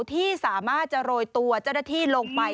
ที่สามารถจะโรยตัวเจ้าหน้าที่ลงไป